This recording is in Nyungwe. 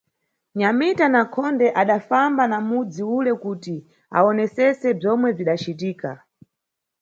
Nyamita na Nkhonde adafamba na mudzi ule kuti awonesese bzomwe bzidacitika.